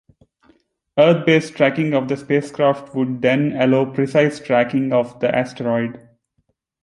Earth-based tracking of the spacecraft would then allow precise tracking of the asteroid.